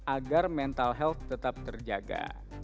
agar mental health tetap terjaga